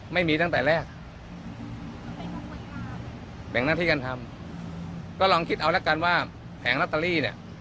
ไม่มีตั้งแต่แรกแบ่งหน้าที่กันทำก็ลองคิดเอาละกันว่าแผงลอตเตอรี่เนี่ย